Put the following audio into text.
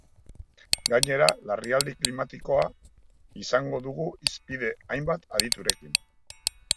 Gainera, larrialdi klimatikoa izango dugu hizpide hainbat aditurekin.